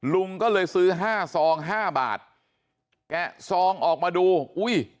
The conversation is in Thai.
ลุงก็เลยซื้อห้าซองห้าบาทแกะซองออกมาดูอุ้ย